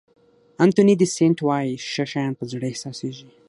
انتوني دي سېنټ وایي ښه شیان په زړه احساسېږي.